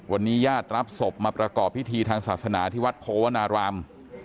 วันนี้ญาติรับศพมาประกอบพิธีทางศาสนาที่วัดโพวนาราม